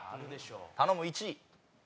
頼む１位。